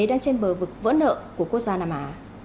đang trên bờ vực vỡ nợ của quốc gia nam á